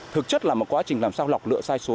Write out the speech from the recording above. thực chất là một quá trình làm sao lọc lựa sai số